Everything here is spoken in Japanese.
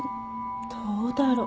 どうだろ。